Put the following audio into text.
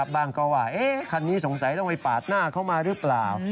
บ้างก็ว่าคันนี้สงสัยต้องไปปาดหน้าเขามาหรือเปล่า